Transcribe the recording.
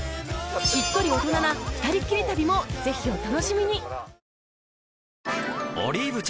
しっとり大人なふたりっきり旅もぜひお楽しみに